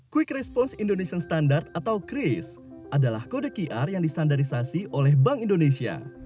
quick response indonesian standard atau crace adalah kode qr yang distandarisasi oleh bank indonesia